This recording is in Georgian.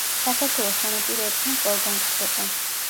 საქართველოს სანაპიროებთან ყველგან გვხვდება.